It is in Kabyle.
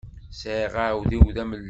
Sɛiɣ aɛudiw d amellal.